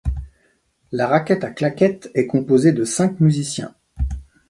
La Raquette à claquettes est composée de cinq musiciens.